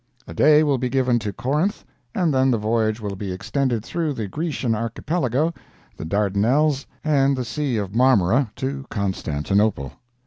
A day will be given to Corinth, and then the voyage will be extended through the Grecian Archipelago, the Dardanelles, and the Sea of Marmora, to Constantinople.